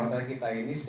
di sini pak